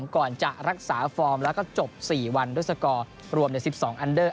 ก่อนจะรักษาฟอร์มแล้วก็จบ๔วันด้วยสกอร์รวม๑๒อันเดอร์